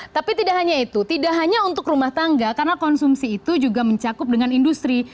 tapi tidak hanya itu tidak hanya untuk rumah tangga karena konsumsi itu juga mencakup dengan industri